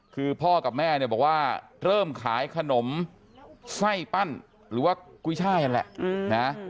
คือพ่อกับแม่เนี่ยบอกว่าเริ่มขายขนมไส้ปั้นหรือว่ากุ้ยช่ายนั่นแหละนะ